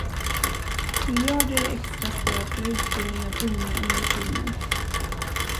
Miljarder i extra stöd för utbildning av unga inom filmen.